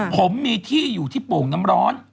ผมมีที่อยู่ที่โป่งน้ำร้อน